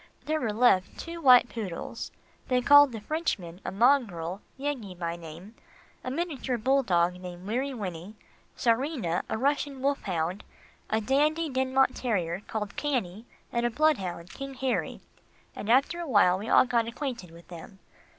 There were left two white poodles, they called the Frenchmen, a mongrel, Yeggie by name, a miniature bull dog called Weary Winnie, Czarina, a Russian wolf hound, a Dandie Dinmont terrier called Cannie, and a bloodhound, King Harry, and after a while we all got acquainted with them.